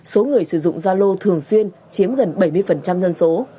số người sử dụng zalo thường xuyên chiếm gần bảy mươi dân số